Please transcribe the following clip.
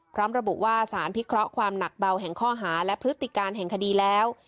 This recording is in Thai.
พร้อมระบุว่าสารพิเคราะห์ความหนักเบาแห่งข้อหาและพฤติการแห่งคดีแล้ว